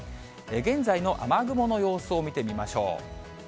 現在の雨雲の様子を見てみましょう。